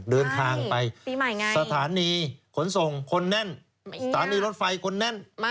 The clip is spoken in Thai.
เดินทางไปสถานีขนส่งคนแน่นสถานีรถไฟคนแน่น